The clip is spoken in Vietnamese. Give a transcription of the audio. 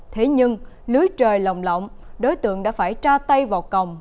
thế nhưng lưới trời lồng lộng đối tượng đã phải tra tay vào còng